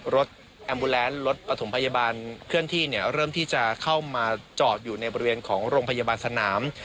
แอมบูแลนด์รถปฐมพยาบาลเคลื่อนที่เนี่ยเริ่มที่จะเข้ามาจอดอยู่ในบริเวณของโรงพยาบาลสนาม